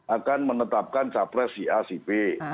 akan menetapkan capres si a si b